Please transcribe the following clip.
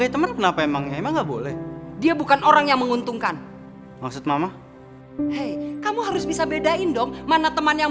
iya bukan gitu masalahnya